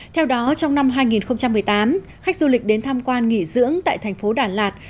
theo đó trong năm hai nghìn một mươi tám khách du lịch đến tham quan nghỉ dưỡng tại thành phố đà lạt